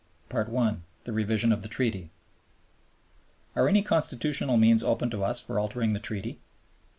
1. The Revision of the Treaty Are any constitutional means open to us for altering the Treaty?